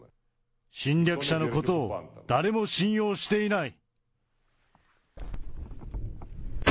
侵略者のことを誰も信用していない。